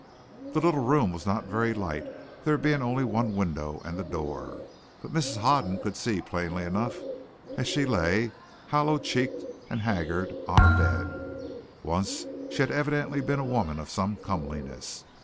The little room was not very light, there being only one window and the door; but Mrs. Hoden could be seen plainly enough as she lay, hollow cheeked and haggard, on a bed. Once she had evidently been a woman of some comeliness.